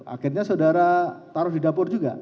akhirnya saudara taruh di dapur juga